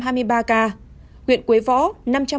huyện quế võ năm trăm một mươi hai ca